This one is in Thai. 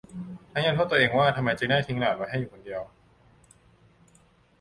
ทั้งยังโทษตัวเองว่าทำไมจึงได้ทิ้งหลานไว้ให้อยู่คนเดียว